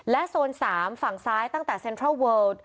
โซน๓ฝั่งซ้ายตั้งแต่เซ็นทรัลเวิล